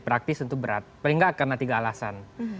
praktis tentu berat paling nggak karena tiga alasan